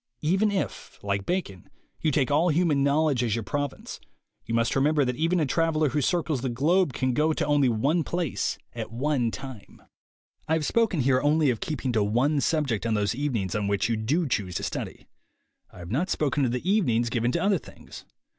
Even if, like Bacon, you take all human knowledge as your province, you must remember that even a traveler who circles the globe can go to only one place at one time. I have spoken here only of keeping to one subject on those evenings on which you do choose to study. I have not spoken of the evenings given 114 THE WAY TO WILL POWER to other things.